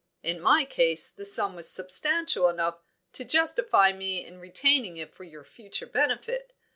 In my case the sum was substantial enough to justify me in retaining it for your future benefit.